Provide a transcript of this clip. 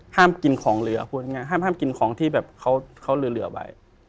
ห้ามกินของเหลือห้ามกินของที่เขาเหลือไว้